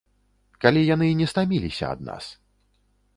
Калі яны не стаміліся ад нас!